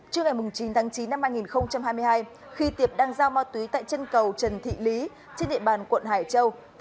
trước ngày chín tháng chín năm hai nghìn hai mươi hai khi tiệp đang giao ma túy tại chân cầu trần thị lý trên địa bàn quận hải châu